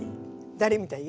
誰みたい？